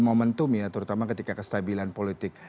momentum ya terutama ketika kestabilan politik